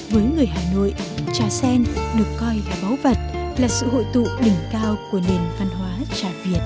với người hà nội trà sen được coi là báu vật là sự hội tụ đỉnh cao của nền văn hóa trà việt